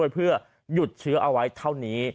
เพื่อหยุดเชื้อเอาไว้เท่านี้